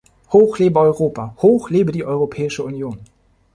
Hoch lebe Europa, hoch lebe die Europäische Union!